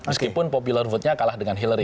meskipun popular vote nya kalah dengan hillary